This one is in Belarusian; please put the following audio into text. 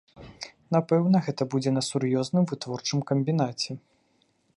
Напэўна, гэта будзе на сур'ёзным вытворчым камбінаце.